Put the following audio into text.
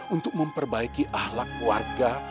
untuk memperbaiki ahlak warga